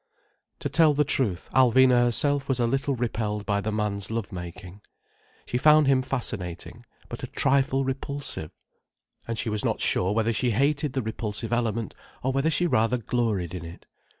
To tell the truth, Alvina herself was a little repelled by the man's love making. She found him fascinating, but a trifle repulsive. And she was not sure whether she hated the repulsive element, or whether she rather gloried in it.